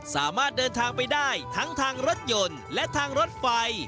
สามารถเดินทางไปได้ทั้งทางรถยนต์และทางรถไฟ